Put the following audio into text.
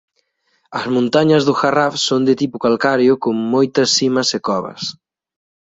As montañas do Garraf son de tipo calcario con moitas simas e covas.